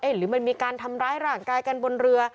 หรือมันมีการทำร้ายร่างกายกันบนเรือ